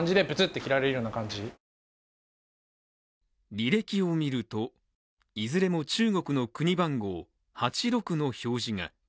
履歴を見ると、いずれも中国の国番号８６の表示が。